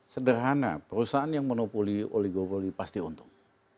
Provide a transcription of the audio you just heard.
sederhana perusahaan yang monopoli oligopoli pasti untung